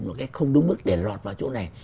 một cái không đúng bức để lọt vào chỗ này